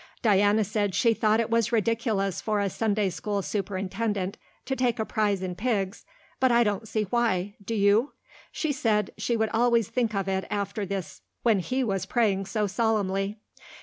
Diana said she thought it was ridiculous for a Sunday school superintendent to take a prize in pigs, but I don't see why. Do you? She said she would always think of it after this when he was praying so solemnly.